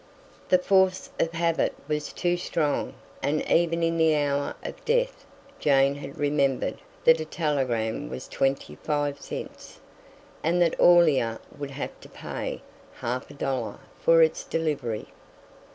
The force of habit was too strong, and even in the hour of death Jane had remembered that a telegram was twenty five cents, and that Aurelia would have to pay half a dollar for its delivery.